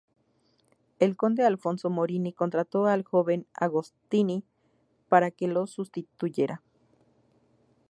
El conde Alfonso Morini contrató al joven Agostini para que lo sustituyera.